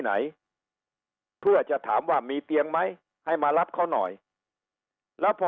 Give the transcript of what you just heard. ไหนเพื่อจะถามว่ามีเตียงไหมให้มารับเขาหน่อยแล้วพอ